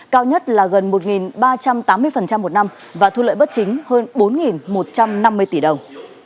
cao nhất là gần một ba trăm tám mươi một năm và thu lợi bất chính hơn bốn một trăm năm mươi tỷ đồng